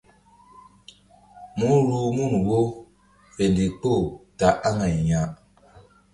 Mú ruh mun wo fe ndikpoh ta aŋay ya.